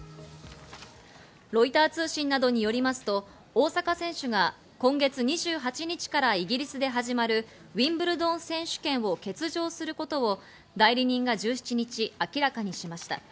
ロイター通信などによりますと大坂選手が今月２８日からイギリスで始まるウィンブルドン選手権を欠場することを代理人が１７日、明らかにしました。